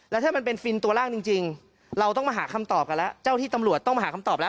แล้วถ้ามันเป็นฟินตัวล่างจริงเราต้องมาหาคำตอบกันแล้วเจ้าที่ตำรวจต้องมาหาคำตอบแล้ว